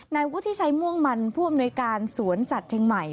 นายวุฒิชัยม่วงมันผู้อำนวยการสวนสัตว์เชียงใหม่